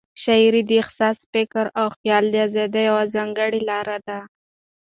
شاعري د احساس، فکر او خیال د آزادۍ یوه ځانګړې لار ده.